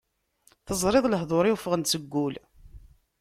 Teẓriḍ lehḍur-iw ffɣen-d seg wul.